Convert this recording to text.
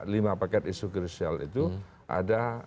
lima paket isu krusial itu ada